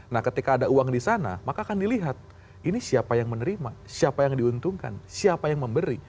nah ketika ada uang di sana maka akan dilihat ini siapa yang menerima siapa yang diuntungkan siapa yang memberi